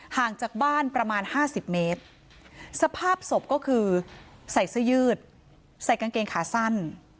ห่างจากบ้านประมาณห้าสิบเมตรสภาพศพก็คือใส่เสื้อยืดใส่กางเกงขาสั้น